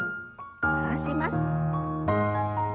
下ろします。